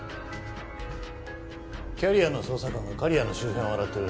キャリアの捜査官が刈谷の周辺を洗ってるらしい。